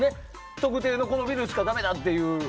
特定の、このビルしかダメだっていう。